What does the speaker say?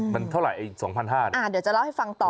มันเท่าไหร่๒๕๐๐บาทเดี๋ยวจะเล่าให้ฟังต่อ